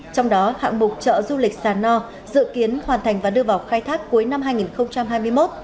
trong đó hạng mục chợ du lịch sà no dự kiến hoàn thành và đưa vào khai thác cuối năm hai nghìn hai mươi một